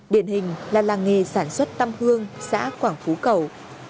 điển hình là làng nghề sản xuất tâm hương xã quảng phú cầu